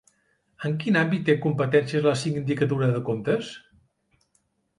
En quin àmbit té competències la sindicatura de comptes?